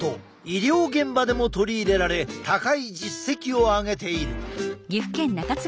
医療現場でも取り入れられ高い実績をあげている！